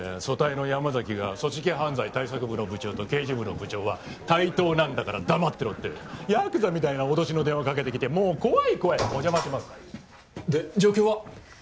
組対の山崎が組織犯罪対策部の部長と刑事部の部長は対等なんだから黙ってろってヤクザみたいな脅しの電話かけてきてもう怖い怖いお邪魔しますで状況は？